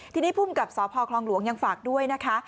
ทีนี้ภูมิกับสพคลองหลวงยังฝากด้วยนะคะ